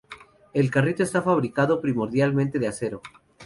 El carrito está fabricado primordialmente de acero.